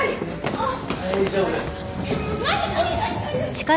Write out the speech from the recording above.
あっ！